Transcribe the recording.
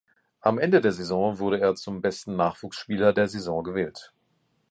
Am Ende der Saison wurde er zum besten Nachwuchsspieler der Saison gewählt.